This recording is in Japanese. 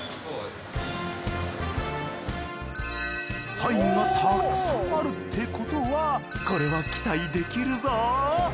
サインがたくさんあるってことはこれは期待できるぞ！